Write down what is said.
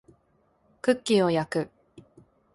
クッキーを焼く